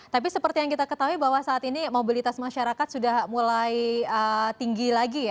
tapi seperti yang kita ketahui bahwa saat ini mobilitas masyarakat sudah mulai tinggi lagi ya